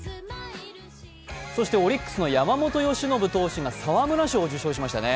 そしてオリックスの山本由伸投手が沢村賞を受賞しましたね。